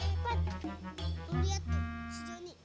eh pat lo liat tuh si johnny